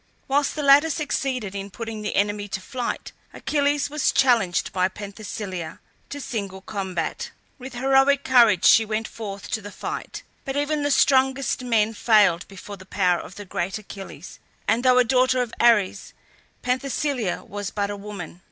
Whilst the latter succeeded in putting the enemy to flight, Achilles was challenged by Penthesilea to single combat. With heroic courage she went forth to the fight; but even the strongest men failed before the power of the great Achilles, and though a daughter of Ares, Penthesilea was but a woman.